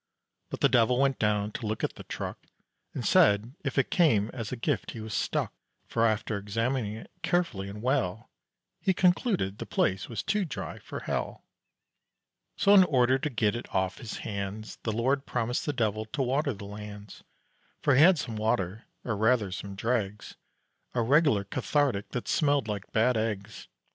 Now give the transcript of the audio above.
But the devil went down to look at the truck, And said if it came as a gift he was stuck; For after examining it carefully and well He concluded the place was too dry for hell. So, in order to get it off his hands, The Lord promised the devil to water the lands; For he had some water, or rather some dregs, A regular cathartic that smelled like bad eggs.